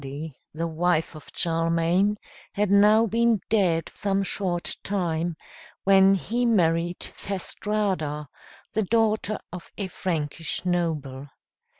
] Hildegarde, the wife of Charlemagne, had now been dead some short time, when he married Fastrada, the daughter of a Frankish noble.